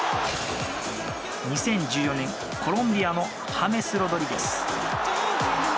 ２０１４年、コロンビアのハメス・ロドリゲス。